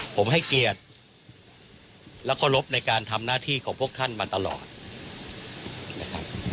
ผมให้เกียรติและเคารพในการทำหน้าที่ของพวกท่านมาตลอดนะครับ